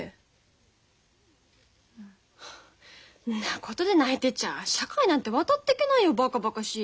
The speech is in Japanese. んなことで泣いてちゃ社会なんて渡ってけないよバカバカしい。